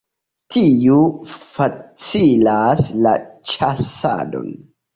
Tiu facilas la ĉasadon.